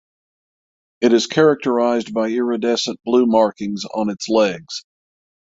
It is characterized by iridescent blue markings on its legs.